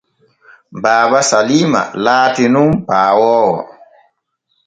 Baaba Saliima laati nun paawoowo.